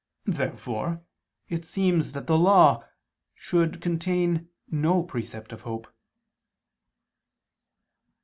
Therefore it seems that the Law should contain no precept of hope.